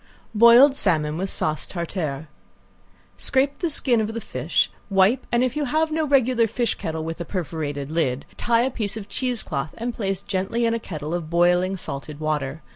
~BOILED SALMON WITH SAUCE TARTARE~ Scrape the skin of the fish, wipe, and if you have no regular fish kettle with a perforated lid, tie in a piece of cheesecloth and place gently in a kettle of boiling salted water.